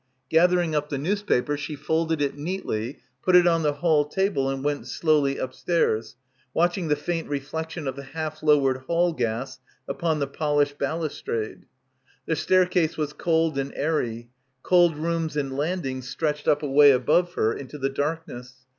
Gathering up the news paper she folded it neatly, put it on the hall table and went slowly upstairs, watching the faint re flection of the half lowered hall gas upon the pol ished balustrade. The staircase was cold and airy. Cold rooms and landings stretched up away above her into the darkness.